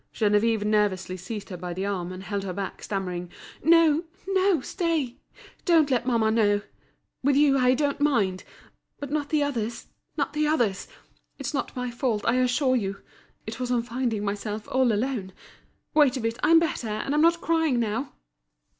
Geneviève nervously seized her by the arm, and held her back, stammering: "No, no, stay. Don't let mamma know! With you I don't mind; but not the others—not the others! It's not my fault, I assure you. It was on finding myself all alone. Wait a bit; I'm better, and I'm not crying now."